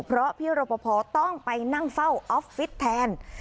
เพราะพี่รปภต้องไปนั่งเฝ้าออฟฟิศแทน